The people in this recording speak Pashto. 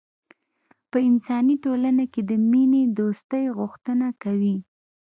په انساني ټولنه کې د مینې دوستۍ غوښتنه کوي.